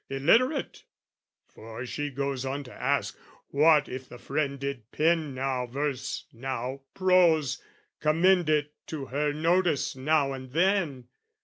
"Illiterate for she goes on to ask, "What if the friend did pen now verse now prose, "Commend it to her notice now and then?